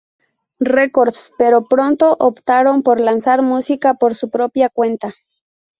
Records, pero pronto optaron por lanzar música por su propia cuenta.